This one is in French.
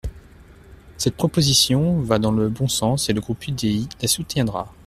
Cette proposition va dans le bon sens et le groupe UDI la soutiendra.